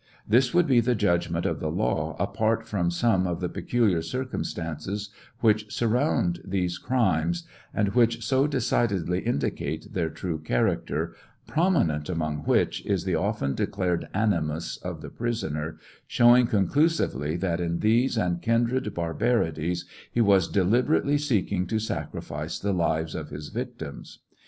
This would be the judgment of the law apart from some of the peculiar circumstances which surround these crimes, and which so decidedly indicate their true character, prominent among which is the often declared animus of the prisoner, showing conclusively that in these and kindred barbarities he was deliberately seeking to sacrifice the lives of his victims.